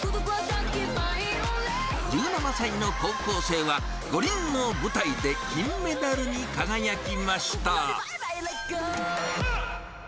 １７歳の高校生は五輪の舞台で金メダルに輝きました。